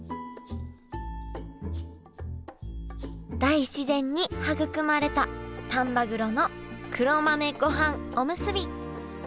大自然に育まれた丹波黒の黒豆ごはんおむすび。